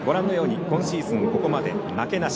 今シーズン、ここまで負けなし。